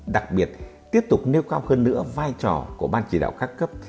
đặc biệt tiếp tục nêu cao hơn nữa vai trò của ban chỉ đạo các cấp